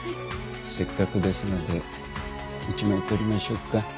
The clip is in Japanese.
せっかくですので一枚撮りましょうか。